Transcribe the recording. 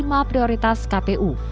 yang menjadi prioritas kpu